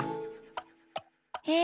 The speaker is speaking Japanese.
え。